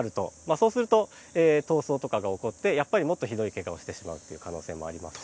そうすると闘争とかが起こってもっとひどいケガをしてしまうっていう可能性もありますね。